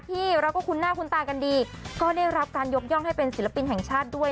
ที่เราก็คุ้นหน้าคุ้นตากันดีก็ได้รับการยกย่องให้เป็นศิลปินแห่งชาติด้วย